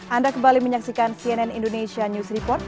anda kembali menyaksikan cnn indonesia news report